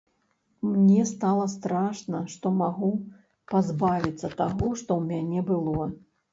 Мне стала страшна, што магу пазбавіцца таго, што ў мяне было.